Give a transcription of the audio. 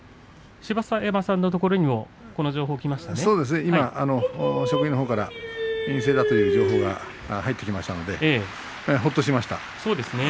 芝田山さんのところに今、職員のほうから陰性だという情報が入ってきましたのでほっとしました。